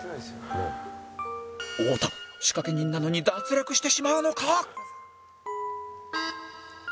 太田仕掛け人なのに脱落してしまうのか！？